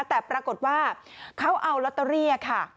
แต่ปรากฏว่าเขาเอาลอตเตอรี่ค่ะ